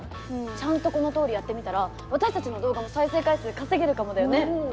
ちゃんとこの通りやってみたら私たちの動画も再生回数稼げるかもだよね？